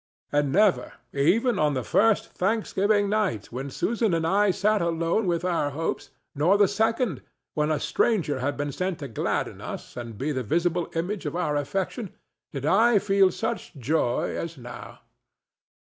And never, even on the first Thanksgiving night, when Susan and I sat alone with our hopes, nor the second, when a stranger had been sent to gladden us and be the visible image of our affection, did I feel such joy as now.